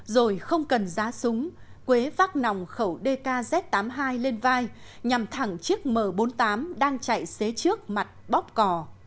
rồi không cần giá súng quế vác nòng khẩu dkz tám mươi hai lên vai nhằm thẳng chiếc m bốn mươi tám đang chạy xế trước mặt bóc cò